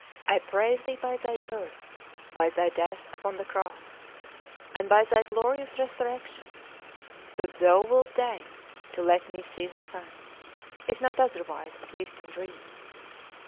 I pray Thee by Thy birth, by Thy death upon the cross, and by Thy glorious resurrection, that Thou wilt deign to let me see the sun, if not otherwise, at least in dreams.